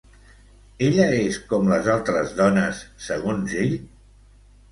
Ella és com les altres dones, segons ell?